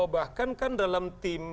bahkan kan dalam tim